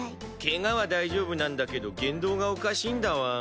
ケガは大丈夫なんだけど言動がおかしいんだワン。